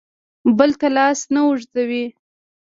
بل ته لاس نه اوږدوي.